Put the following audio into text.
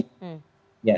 sampai hari ini